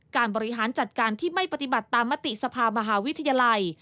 บริหารจัดการที่ไม่ปฏิบัติตามมติสภามหาวิทยาลัย